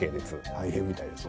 大変みたいですよ。